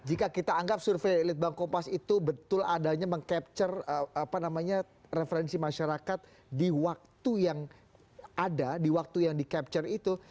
jika kita anggap survei elit bang kompas itu betul adanya meng capture referensi masyarakat di waktu yang ada di waktu yang di capture itu